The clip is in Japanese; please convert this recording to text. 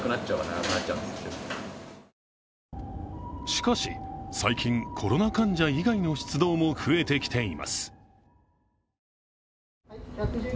しかし最近、コロナ患者以外の出動も増えてきています。